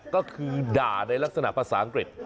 ก็คือด่าในลักษณะภาษาอังกฤษ